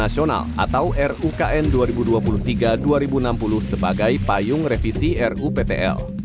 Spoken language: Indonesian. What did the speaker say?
atau rukn dua ribu dua puluh tiga dua ribu enam puluh sebagai payung revisi ruptl